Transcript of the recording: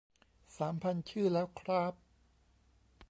สามพันชื่อแล้วคร้าบ